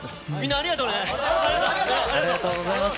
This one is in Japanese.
ありがとうございます。